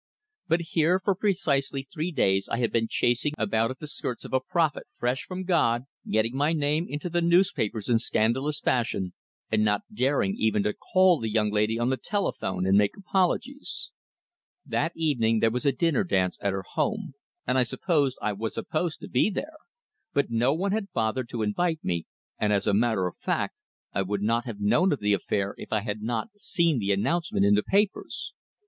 But here for precisely three days I had been chasing about at the skirts of a prophet fresh from God, getting my name into the newspapers in scandalous fashion, and not daring even to call the young lady on the telephone and make apologies. That evening there was a dinner dance at her home, and I supposed I was supposed to be there; but no one had bothered to invite me, and as a matter of fact I would not have known of the affair if I had not seen the announcement in the papers.